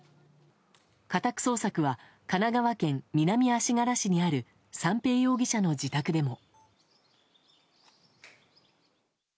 家宅捜索は神奈川県南足柄市にある三瓶容疑者の自宅でも。